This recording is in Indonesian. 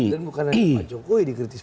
dan bukan hanya pak jokowi dikritisi